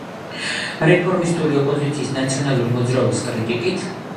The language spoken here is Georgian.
რეფორმისტული ოპოზიციის ნაციონალური მოძრაობის კრიტიკით.